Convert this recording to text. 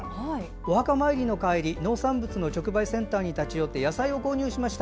お墓参りの帰り農産物の直売所に立ち寄って野菜を購入しました。